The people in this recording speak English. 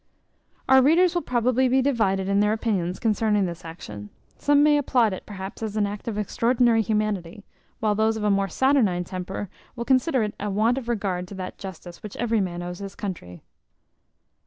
Our readers will probably be divided in their opinions concerning this action; some may applaud it perhaps as an act of extraordinary humanity, while those of a more saturnine temper will consider it as a want of regard to that justice which every man owes his country.